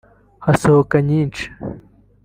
hasohoka nyinshi